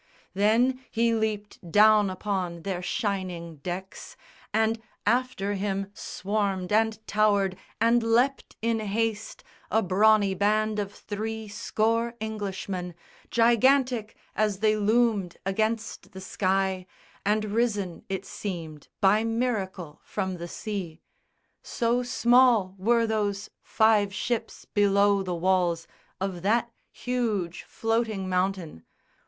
Then he leaped down upon their shining decks, And after him swarmed and towered and leapt in haste A brawny band of three score Englishmen, Gigantic as they loomed against the sky And risen, it seemed, by miracle from the sea. So small were those five ships below the walls Of that huge floating mountain.